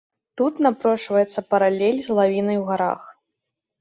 Тут напрошваецца паралель з лавінай у гарах.